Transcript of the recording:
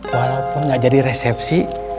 walaupun nggak jadi resepsi